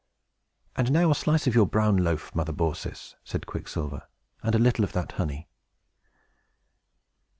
"And now a slice of your brown loaf, Mother Baucis," said Quicksilver, "and a little of that honey!"